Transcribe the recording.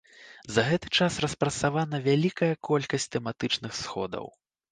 За гэты час распрацавана вялікая колькасць тэматычных сходаў.